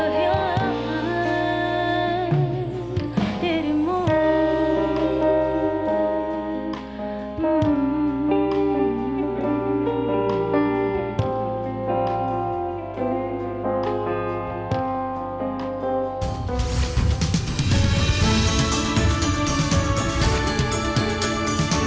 berangkat terbesir olehmu